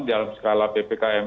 dalam skala ppkm